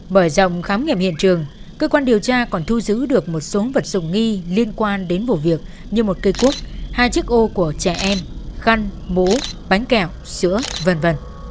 mở rộng khám nghiệm hiện trường cơ quan điều tra còn thu giữ được một số vật dụng nghi liên quan đến vụ việc như một cây cúc hai chiếc ô của trẻ em khăn mũ bánh kẹo sữa v v